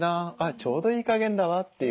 「あっちょうどいい加減だわ」っていう